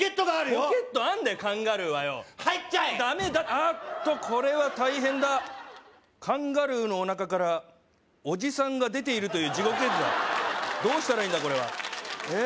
ああっとこれは大変だカンガルーのおなかからおじさんが出ているという地獄絵図だどうしたらいいんだこれはえっ？